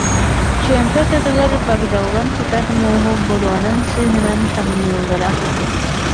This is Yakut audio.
Чүөмпэ ортотугар багдаллан сытар мууһу буорунан-сыыһынан тамныыллара